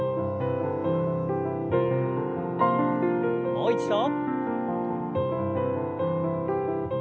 もう一度。